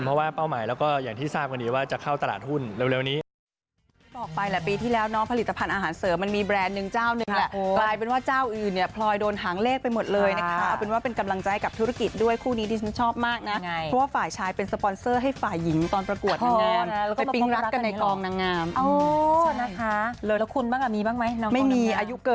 เพราะว่าเป้าหมายแล้วก็อย่างที่ทราบกันดีว่าจะเข้าตลาดหุ้นเร็วนี้